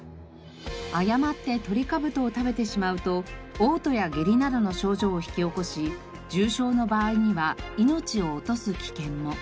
誤ってトリカブトを食べてしまうと嘔吐や下痢などの症状を引き起こし重症の場合には命を落とす危険も。